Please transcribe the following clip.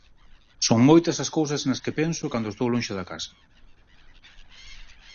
Son moitas as cousas nas que penso cando estou lonxe da casa.